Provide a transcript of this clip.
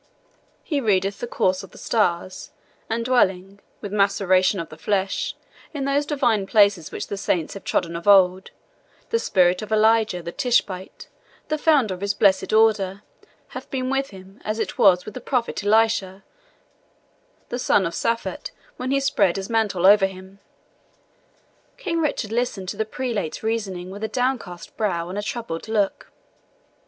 He readeth the course of the stars; and dwelling, with maceration of the flesh, in those divine places which the saints have trodden of old, the spirit of Elijah the Tishbite, the founder of his blessed order, hath been with him as it was with the prophet Elisha, the son of Shaphat, when he spread his mantle over him." King Richard listened to the Prelate's reasoning with a downcast brow and a troubled look.